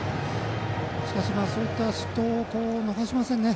しかし、そういった失投を逃しませんね